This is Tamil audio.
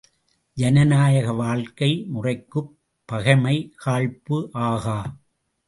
ஜனநாயக வாழ்க்கை முறைக்குப் பகைமை, காழ்ப்பு ஆகா.